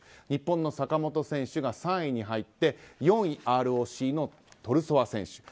日本の坂本選手が３位に入って４位、ＲＯＣのトゥルソワ選手。